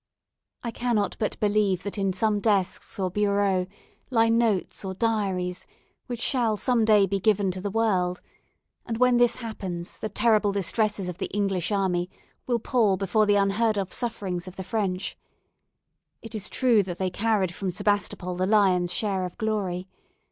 I cannot but believe that in some desks or bureaux lie notes or diaries which shall one day be given to the world; and when this happens, the terrible distresses of the English army will pall before the unheard of sufferings of the French. It is true that they carried from Sebastopol the lion's share of glory.